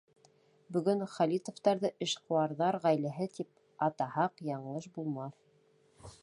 Бөгөн Хәлиловтарҙы эшҡыуарҙар ғаиләһе тип атаһаҡ, яңылыш булмаҫ.